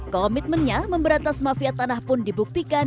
komitmennya memberantas mafia tanah pun dibuktikan